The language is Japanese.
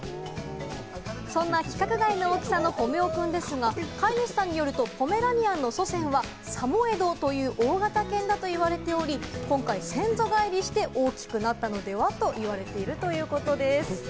そんな規格外の大きさのぽめおくんですが、飼い主さんによると、ポメラニアンの祖先はサモエドという大型犬だと言われており、今回、先祖返りして大きくなったのでは？と言われているということです。